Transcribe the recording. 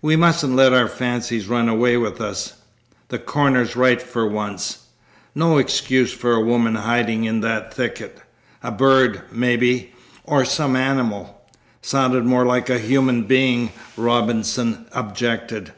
"We mustn't let our fancies run away with us. The coroner's right for once. No excuse for a woman hiding in that thicket. A bird, maybe, or some animal " "Sounded more like a human being," Robinson objected.